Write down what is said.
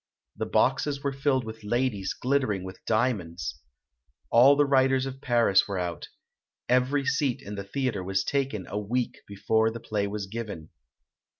The boxes were filled with ladies glittering with diamonds. All the writers of Paris were out. Every seat in the theatre was taken a week before the play was given.